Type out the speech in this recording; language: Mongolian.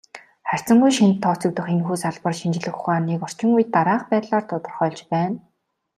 Харьцангуй шинэд тооцогдох энэхүү салбар шинжлэх ухааныг орчин үед дараах байдлаар тодорхойлж байна.